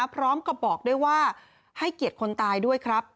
พร้อมกับบอกด้วยว่าให้เกียรติคนตายด้วยครับ